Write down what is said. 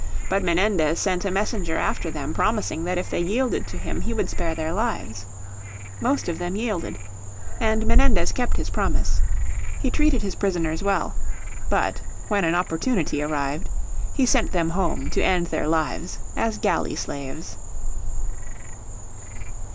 But Menendez sent a messenger after them promising that if they yielded to him he would spare their lives. Most Of them yielded. And Menendez kept his promise. He treated his prisoners well. But, when an opportunity arrived, he sent them home to end their lives as galley slaves.